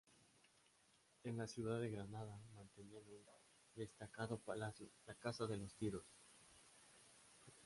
En la ciudad de Granada mantenían un destacado palacio: la Casa de los Tiros.